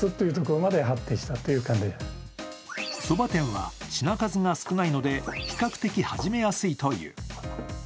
そば店は品数が少ないので比較的始めやすいという。